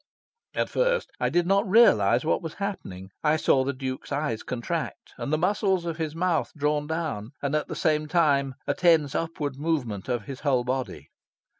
At first I did not realise what was happening. I saw the Duke's eyes contract, and the muscles of his mouth drawn down, and, at the same time, a tense upward movement of his whole body.